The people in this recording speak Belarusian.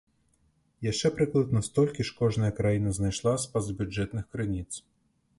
Яшчэ прыкладна столькі ж кожная краіна знайшла з пазабюджэтных крыніц.